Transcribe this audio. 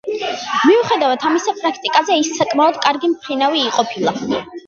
მიუხედავად ამისა, პრაქტიკაზე ის საკმაოდ კარგი მფრინავი ყოფილა.